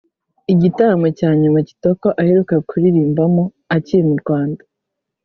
Igitaramo cya nyuma Kitoko aheruka kuririmbamo akiri mu Rwanda